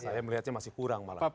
saya melihatnya masih kurang malah